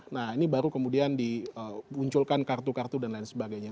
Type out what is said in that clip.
nah ini baru kemudian dimunculkan kartu kartu dan lain sebagainya